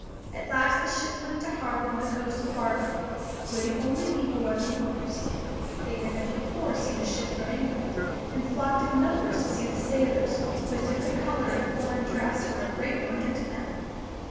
At last the ship put into harbour on the coast of Barbary, where the only people are the Moors. They had never before seen a ship from England, and flocked in numbers to see the sailors, whose diff^erent colour and foreign dress were a great wonder to them.